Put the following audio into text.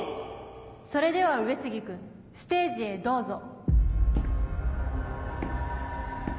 それでは上杉君ステージへどうぞ。